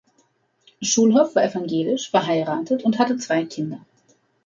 Schulhoff war evangelisch, verheiratet und hatte zwei Kinder.